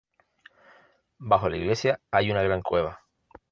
Bajo la iglesia hay una gran cueva.